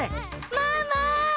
ママ！